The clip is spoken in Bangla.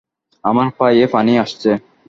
আমার পায়ে পানি আসছে।